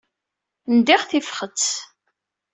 Ndiɣ tifxet.